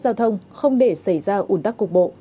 giao thông không để xảy ra ủn tắc cục bộ